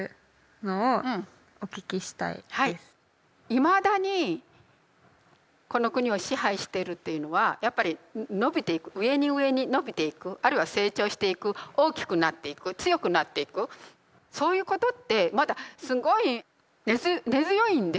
いまだにこの国を支配しているというのはやっぱり伸びていく上に上に伸びていくあるいは成長していく大きくなっていく強くなっていくそういうことってまだすごい根強いんですよ。